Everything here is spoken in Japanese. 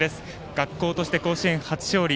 学校として甲子園初勝利。